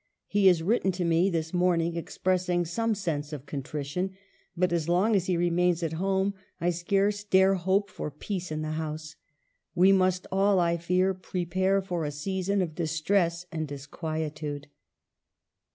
He has written to me this morning, expressing some sense of contrition ... but as long as he remains at home, I scarce dare hope for peace in the house. We must all, I fear, prepare for a season of distress and disquietude."